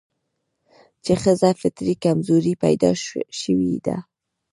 چې ښځه فطري کمزورې پيدا شوې ده